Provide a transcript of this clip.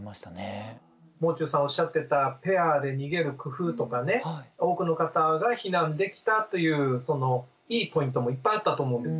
もう中さんがおっしゃってたペアで逃げる工夫とかね多くの方が避難できたといういいポイントもいっぱいあったと思うんです。